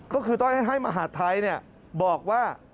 ก็คือต้องให้มหาดไทยบอกว่า